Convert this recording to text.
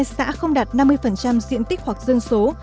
ba trăm linh hai xã không đạt năm mươi diện tích hoặc dân số